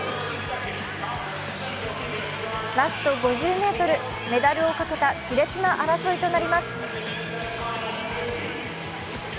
ラスト５０ｍ、メダルをかけたし烈な争いとなります。